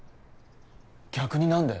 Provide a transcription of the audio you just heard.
逆に何で？